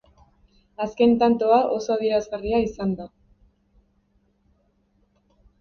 Azken tantoa oso adierazgarria izan da.